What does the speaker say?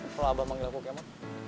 kalau abah manggil aku kemot